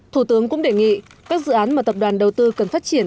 thủ tướng cũng đề nghị các dự án mà tập đoàn đầu tư cần phát triển